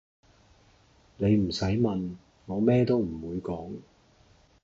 你唔洗問，我咩都唔會講